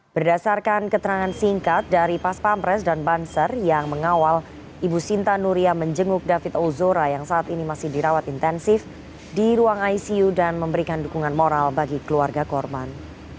berdasarkan keterangan singkat dari paspampres dan banser yang mengawal ibu sinta nuria menjenguk david ozora yang saat ini masih dirawat intensif di ruang icu dan memberikan dukungan moral bagi keluarga korban